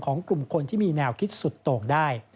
กลุ่มคนที่มีแนวคิดสุดโต่งได้